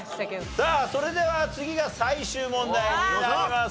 さあそれでは次が最終問題になります。